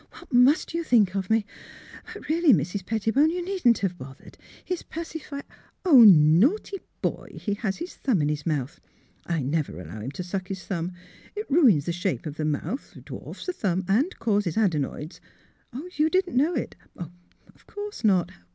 What must you think of me ? But really, dear Mrs. Pettibone, you needn't have bothered; his pacifier — Oh, naughty boy; he has his thumb in his mouth ! I never allow him to suck his thumb. It ruins the shape of the mouth, dwarfs the thumb, and causes adenoids. — You didn't know it? Of course not!